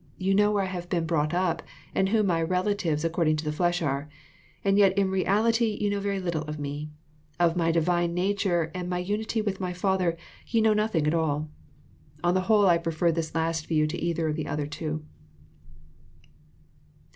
You know where I have been brought up, and who my relatives according to the flesh are. And yet in reality you know very little of me. Of my Divine nature and my unity with my Father ye know nothing at all. — On the whole I prefer this last view to either of the other two.